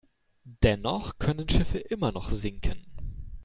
Dennoch können Schiffe immer noch sinken.